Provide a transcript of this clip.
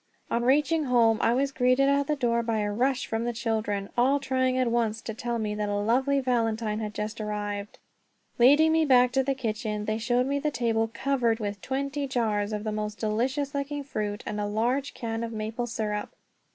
On reaching home I was greeted at the door by a rush from the children, all trying at once to tell me that a lovely valentine had just arrived. Leading me back to the kitchen, they showed me the table covered with twenty jars of the most delicious looking fruit, and a large can of maple syrup.